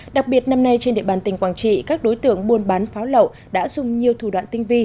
đặc biệt năm nay trên địa bàn tỉnh quảng trị các đối tượng buôn bán pháo lậu đã dùng nhiều thủ đoạn tinh vi